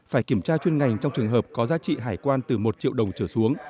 phải kiểm tra chuyên ngành trong trường hợp có giá trị hải quan từ một triệu đồng trở xuống